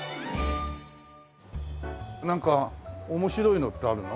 なんか面白いのってあるの？